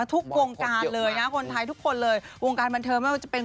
ทุกวงการเลยนะคนไทยทุกคนเลยวงการบันเทิงไม่ว่าจะเป็น